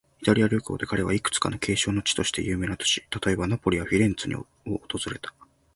イタリア旅行で彼は、いくつか景勝の地として有名な都市、例えば、ナポリやフィレンツェを訪れた。